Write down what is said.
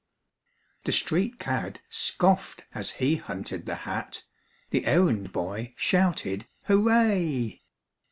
The street cad scoffed as he hunted the hat, The errand boy shouted hooray!